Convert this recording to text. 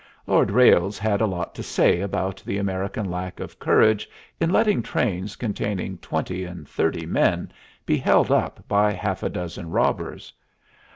Lord Ralles had a lot to say about the American lack of courage in letting trains containing twenty and thirty men be held up by half a dozen robbers.